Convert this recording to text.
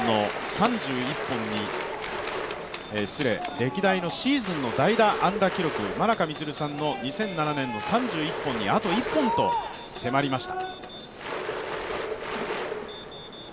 歴代のシーズンの代打安打記録、真中満さんの２００７年の３１本にあと１本と迫りました。